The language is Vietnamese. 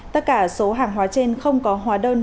tất cả số hàng hóa trên không có hóa đơn